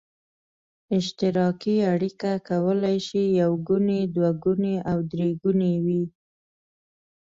اشتراکي اړیکه کولای شي یو ګونې، دوه ګونې او درې ګونې وي.